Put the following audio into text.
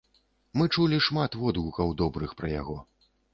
Мы чулі шмат водгукаў добрых пра яго.